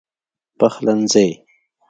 پخلنځی